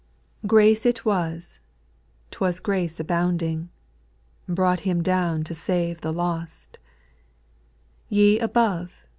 Grace it was, 't was grace abounding, Brought Him down to save the lost ; Ye above.